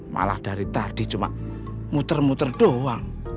malah dari tadi cuma muter muter doang